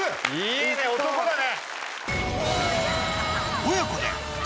いいね男だね！